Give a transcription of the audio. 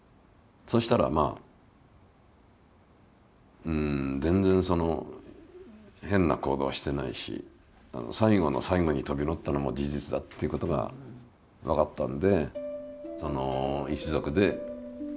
そしたらまあ全然変な行動はしてないし最後の最後に飛び乗ったのも事実だっていうことが分かったんで。